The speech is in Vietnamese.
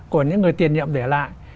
của những người tiền nhậm để lại